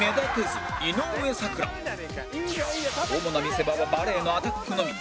主な見せ場はバレーのアタックのみ